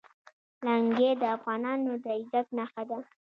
لنګۍ د افغانانو د عزت نښه ده.